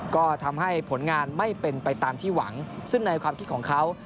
ก็ทำให้ผลงานไม่เป็นไปตามที่หวังซึ่งในความคิดของเขา